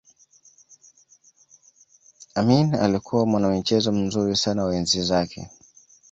Amin alikuwa mwanamichezo mzuri sana wa enzi zake